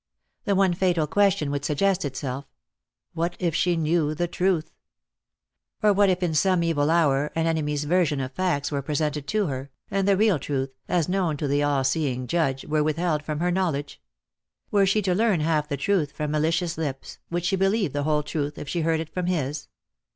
The one fatal question would suggest itself, " What if she knew the truth P " Or what if in some evil hour an enemy's version of facts were presented to her, and the real truth, as known to the all seeing Judge, were withheld from her knowledge ? Were she to learn half the truth from malicious lips, would she believe the whole truth if she heard it from his